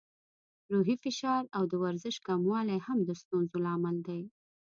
روحي فشار او د ورزش کموالی هم د ستونزو لامل دی.